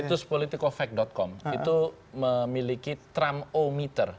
untuk menurut anda